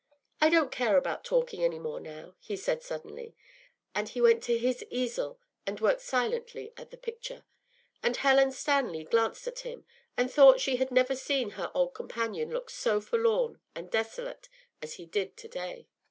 ” “I don’t care about talking any more now,” he said, suddenly, and he went to his easel and worked silently at his picture; and Helen Stanley glanced at him, and thought she had never seen her old companion look so forlorn and desolate as he did to day.